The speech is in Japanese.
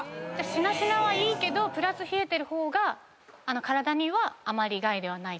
しなしなはいいけどプラス冷えてる方が体にはあまり害ではない？